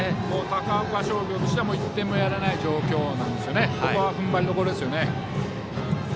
高岡商業としては１点もやれない状況ですね。